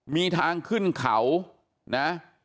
มีทางขึ้นเขานะ